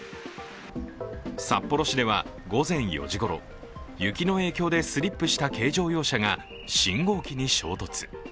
札幌市では午前４時ごろ、雪の影響でスリップした軽乗用車が信号機に衝突。